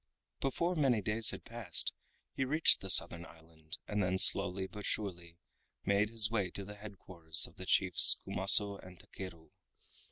Before many days had passed he reached the Southern Island, and then slowly but surely made his way to the head quarters of the chiefs Kumaso and Takeru.